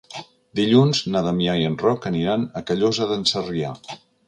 Dilluns na Damià i en Roc aniran a Callosa d'en Sarrià.